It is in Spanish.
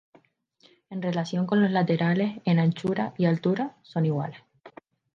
En relación con los laterales, en anchura y altura son iguales.